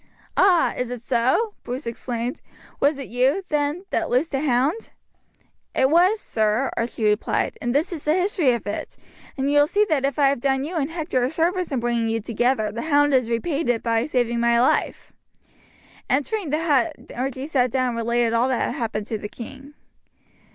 "Ah! is it so?" Bruce exclaimed. "Was it you, then, that loosed the hound?" "It was, sir," Archie replied; "and this is the history of it; and you will see that if I have done you and Hector a service in bringing you together again the hound has repaid it by saving my life." Entering the hut, Archie sat down and related all that had happened, to the king.